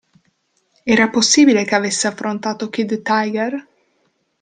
Era possibile che avesse affrontato Kid Tiger?